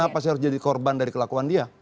kenapa saya harus jadi korban dari kelakuan dia